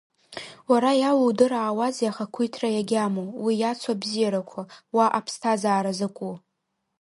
Уара иалудыраауазеи ахақәиҭра иагьамоу, уи иацу абзиарақәа, уа аԥсҭазаара закәу?!